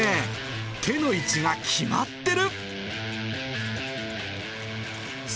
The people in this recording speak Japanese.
手の位置が決まってる。